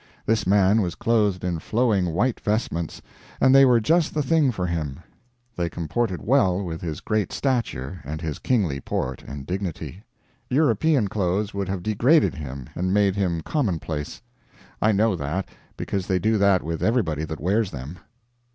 This man was clothed in flowing white vestments, and they were just the thing for him; they comported well with his great stature and his kingly port and dignity. European clothes would have degraded him and made him commonplace. I know that, because they do that with everybody that wears them.